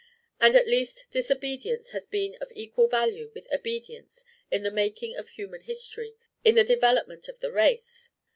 And at least disobedience has been of equal value with obedience in the making of human history, in the development of the race.